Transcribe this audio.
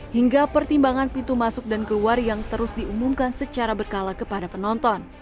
hingga pertimbangan pintu masuk dan keluar yang terus diumumkan secara berkala kepada penonton